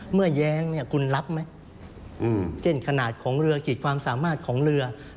เมื่อย้างคุณรับไหมเจ้นขนาดของเรือขีดความสามารถของเรือ